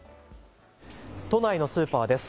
都内のスーパーです。